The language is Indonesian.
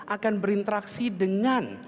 akan berinteraksi dengan